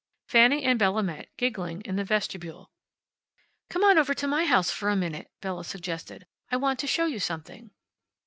Fanny and Bella met, giggling, in the vestibule. "Come on over to my house for a minute," Bella suggested. "I want to show you something."